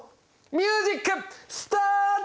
ミュージックスタート！